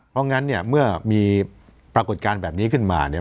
เพราะงั้นเนี่ยเมื่อมีปรากฏการณ์แบบนี้ขึ้นมาเนี่ย